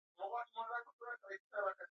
سپوږمۍ د ځمکې په شاوخوا ګرځي.